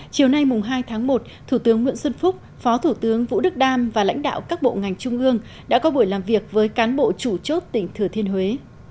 chiều nay hai tháng một thủ tướng nguyễn xuân phúc phó thủ tướng vũ đức đam và lãnh đạo các bộ ngành trung ương đã có buổi làm việc với cán bộ chủ chốt tỉnh thừa thiên huế